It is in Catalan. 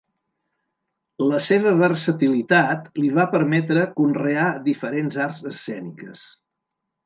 La seva versatilitat li va permetre conrear diferents arts escèniques.